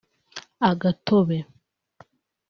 agatobe